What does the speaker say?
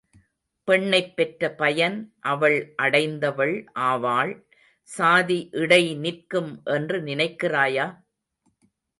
பெண்ணைப் பெற்ற பயன் அவள் அடைந்தவள் ஆவாள். சாதி இடை நிற்கும் என்று நினைக்கிறாயா?